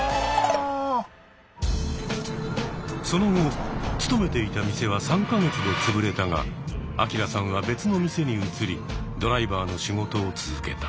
その後勤めていた店は３か月でつぶれたがアキラさんは別の店に移りドライバーの仕事を続けた。